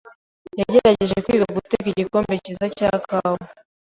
yagerageje kwiga guteka igikombe cyiza cya kawa.